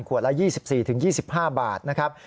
ละ๒๔๒๕บาทนะครับ